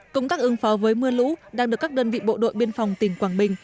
công tác ứng phó với mưa lũ đang được các đơn vị bộ đội biên phòng tỉnh quảng bình